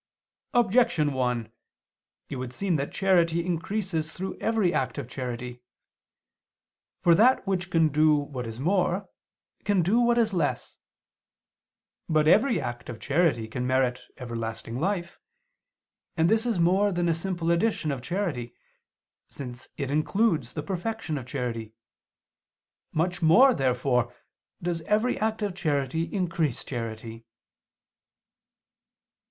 Objection 1: It would seem that charity increases through every act of charity. For that which can do what is more, can do what is less. But every act of charity can merit everlasting life; and this is more than a simple addition of charity, since it includes the perfection of charity. Much more, therefore, does every act of charity increase charity.